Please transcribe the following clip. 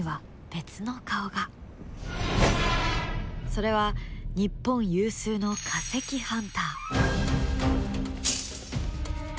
それは日本有数の化石ハンター。